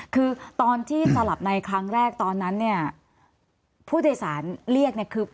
คือตอนที่สลับในครั้งแรกตอนนั้นเนี่ยผู้โดยสารเรียกเนี่ยคือ